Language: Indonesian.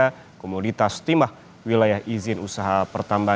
setelah dilakukan beberapa kali pertemuan akhirnya disepakati bahwa